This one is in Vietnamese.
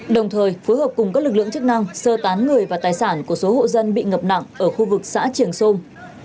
đồng thời phối hợp cùng các lực lượng chức năng sơ tán người và tài sản của số hộ dân bị ngập nặng ở khu vực xã triềng xung